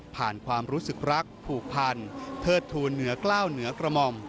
ความรู้สึกรักผูกพันเทิดทูลเหนือกล้าวเหนือกระหม่อม